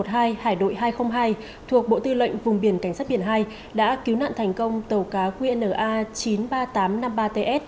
hải đội hai trăm linh hai thuộc bộ tư lệnh vùng cảnh sát biển hai đã cứu nạn thành công tàu cá qna chín mươi ba nghìn tám trăm năm mươi ba ts